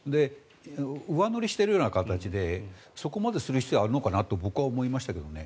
上乗りしているような形でそこまでする必要あるのかなと僕は思いましたけどね。